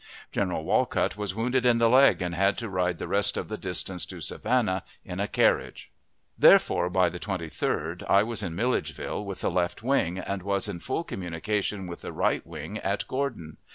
General Walcutt was wounded in the leg, and had to ride the rest of the distance to Savannah in a carriage. Therefore, by the 23d, I was in Milledgeville with the left wing, and was in full communication with the right wing at Gordon.